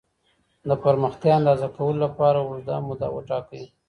د پرمختيا اندازه کولو لپاره اوږده موده وټاکئ.